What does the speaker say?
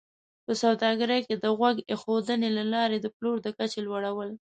په سوداګرۍ کې د غوږ ایښودنې له لارې د پلور د کچې لوړول